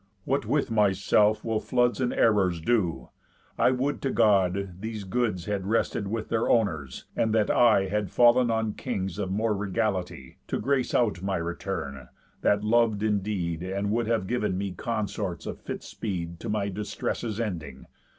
What with myself will floods And errors do? I would to God, these goods Had rested with their owners, and that I Had fall'n on kings of more regality, To grace out my return, that lov'd indeed, And would have giv'n me consorts of fit speed To my distresses' ending!